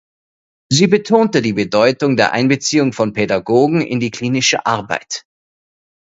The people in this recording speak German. Sie betonte die Bedeutung der Einbeziehung von Pädagogen in die klinische Arbeit.